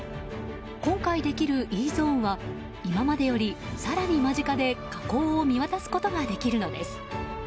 今回できるＥゾーンは今までより更に間近で、火口を見渡すことができるのです。